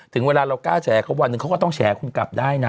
ถึงเวลาเรากล้าแฉเขาวันหนึ่งเขาก็ต้องแฉคุณกลับได้นะ